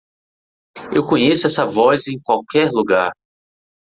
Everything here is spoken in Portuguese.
Eu conheço essa voz em qualquer lugar.